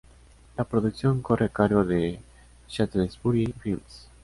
La producción corre a cargo de Shaftesbury Films.